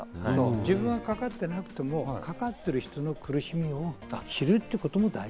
自分はかかってなくても、かかってる人の苦しみを知るってことも大事。